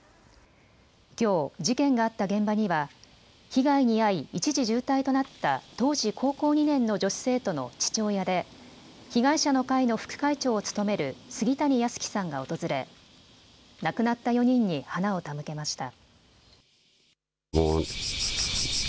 きょう、事件があった現場には被害に遭い一時重体となった当時、高校２年の女子生徒の父親で被害者の会の副会長を務める杉谷安生さんが訪れ、亡くなった４人に花を手向けました。